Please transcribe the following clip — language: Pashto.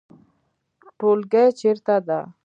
ټولګی چیرته ده؟